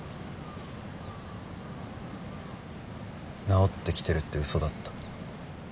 治ってきてるって嘘だった。